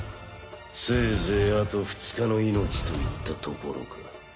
せいぜいあと２日の命といったところか。